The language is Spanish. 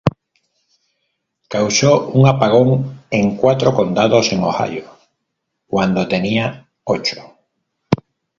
Causó un apagón en cuatro condados en Ohio cuando tenía ocho.